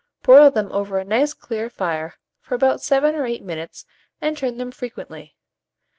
Broil them over a nice clear fire for about 7 or 8 minutes, and turn them frequently.